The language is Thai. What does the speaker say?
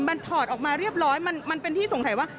มันถอดออกมาเรียบร้อยมันเป็นที่สงสัยว่า